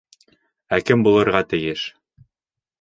Ә кем булырға тейеш?